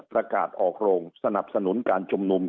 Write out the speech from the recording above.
ประกาศออกโรงสนับสนุนการชุมนุม